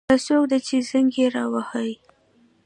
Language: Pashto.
دا څوک ده چې زنګ یې را وهي